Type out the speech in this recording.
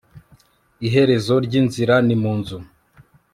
iherezo ry'inzira ni mu nzu